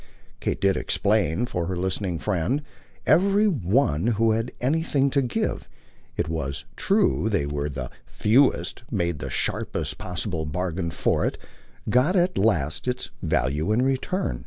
Kate did explain, for her listening friend; every one who had anything to give it was true they were the fewest made the sharpest possible bargain for it, got at least its value in return.